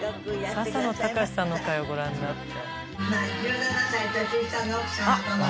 笹野高史さんの回をご覧になって。